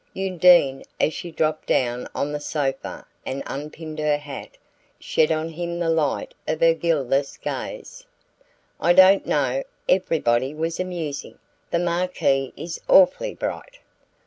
Undine, as she dropped down on the sofa and unpinned her hat, shed on him the light of her guileless gaze. "I don't know: everybody was amusing. The Marquis is awfully bright."